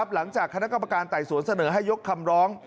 หลังจากคณะกรรมการไต่สวนเสนอให้ยกคำร้อง